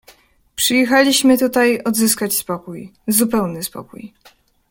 "Przyjechaliśmy tutaj odzyskać spokój, zupełny spokój."